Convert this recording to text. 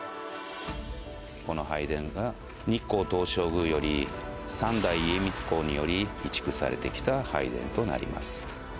この拝殿が日光東照宮より３代家光公により移築されてきた拝殿となります。